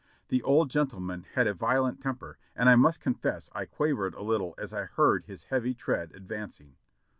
The old gentle man had a violent temper and I must confess I quavered a little as I heard his heavy tread advancing.